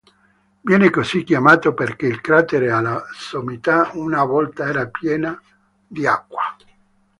Viene così chiamato perché il cratere alla sommità una volta era pieno di acqua.